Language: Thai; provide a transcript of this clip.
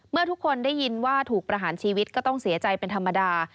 เมื่อทุกคนได้ยินว่าถูกประหารชีวิตก็ต้องเสียใจเป็นธรรมดา